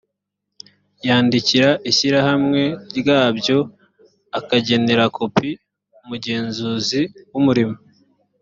yandikira ishyirahamwe ryabyo, akagenera kopi umugenzuzi w’umurimo